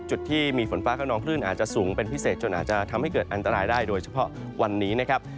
จุดที่มีฝนฟ้าขนองคลื่นอาจจะสูงเป็นพิเศษจนอาจจะทำให้เกิดอันตรายได้โดยเฉพาะวันนี้นะครับ